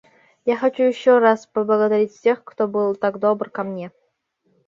Я хочу еще раз поблагодарить всех, кто был так добр ко мне.